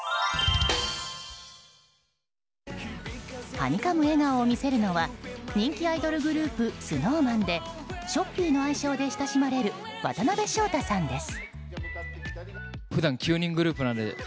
はにかむ笑顔を見せるのは人気アイドルグループＳｎｏｗＭａｎでしょっぴーの愛称で親しまれる渡辺翔太さんです。